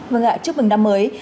vâng ạ chúc mừng năm mới